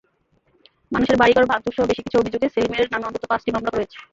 মানুষের বাড়িঘর ভাঙচুরসহ বেশি কিছু অভিযোগে সেলিমের নামে অন্তত পাঁচটি মামলা রয়েছে।